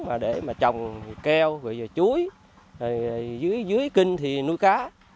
mà để mà trồng keo chuối dưới kinh thì nuôi cá